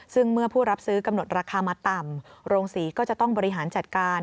ซึ่งเมื่อผู้รับซื้อกำหนดราคามาต่ำโรงศรีก็จะต้องบริหารจัดการ